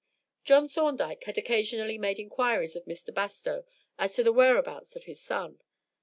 John Thorndyke had occasionally made inquiries of Mr. Bastow as to the whereabouts of his son.